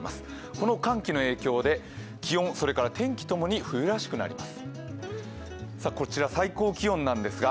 この寒気の影響で気温、それから天気ともに冬らしくなります。